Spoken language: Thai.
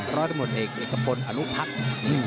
ร้อยตำรวจเอกเอกพลอนุพัฒน์